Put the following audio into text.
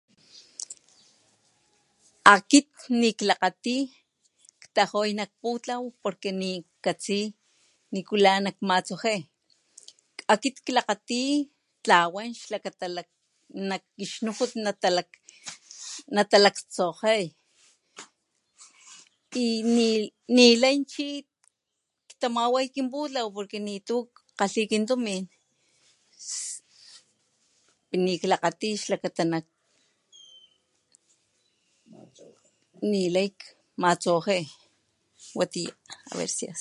Akit niklakgati ktajoy nak putlaw nik katsi nukula matswajey akit klakgati tlawan xlakata kixnujut nalalak tsojey y nilay taway kinputlaw nikkgalhi kinputlaw nila kmatsawajey watiya.